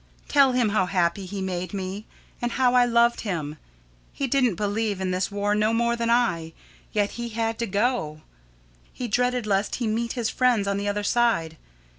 Tell him how happy he made me, and how I loved him. He didn't believe in this war no more than I, yet he had to go. He dreaded lest he meet his friends on the other side.